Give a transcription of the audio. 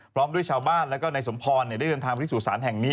พร้อมด้วยชาวบ้านแล้วก็นายสมพรได้เดินทางไปที่สู่สารแห่งนี้